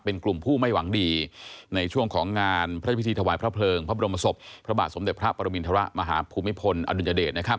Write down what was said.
เป็นกลุ่มผู้ไม่หวังดีในช่วงของงานพระพิธีถวายพระเพลิงพระบรมศพพระบาทสมเด็จพระปรมินทรมาหาภูมิพลอดุลยเดชนะครับ